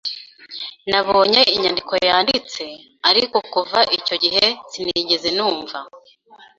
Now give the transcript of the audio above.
Nabonye inyandiko yanditse, ariko kuva icyo gihe sinigeze numva.